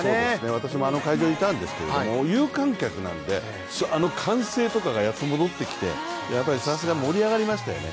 私もあの会場にいたんですけど有観客なのであの歓声とかがやっと戻ってきてさすがに盛り上がりましたよね。